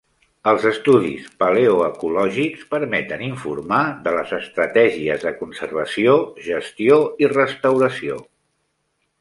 Els estudis paleoecològics permeten informar de les estratègies de conservació, gestió i restauració.